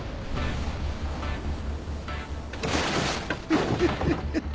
フフフフ。